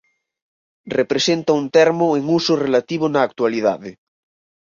Representa un termo en uso relativo na actualidade.